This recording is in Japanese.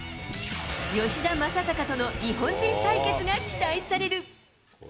吉田正尚との日本人対決が期待される。